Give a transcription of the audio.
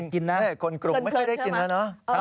คนกลุ่มไม่ได้กินน่ะเนอะ